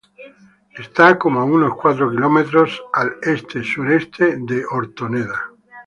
Está cerca de cuatro kilómetros al este-sureste de Hortoneda.